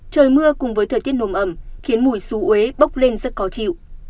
trời mưa cùng với thời tiết nồm ẩm khiến mùi xú ế bốc lên rất có chịu